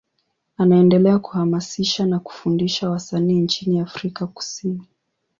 Anaendelea kuhamasisha na kufundisha wasanii nchini Afrika Kusini.